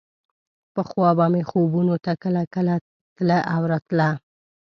پخوا به مې خوبونو ته کله کله تله او راتله.